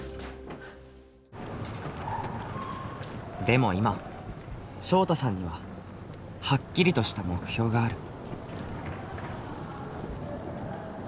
でも今昇汰さんにははっきりとした目標がある。